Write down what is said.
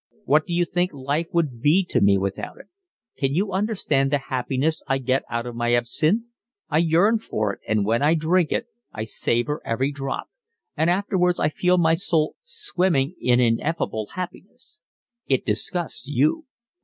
What do you think life would be to me without it? Can you understand the happiness I get out of my absinthe? I yearn for it; and when I drink it I savour every drop, and afterwards I feel my soul swimming in ineffable happiness. It disgusts you.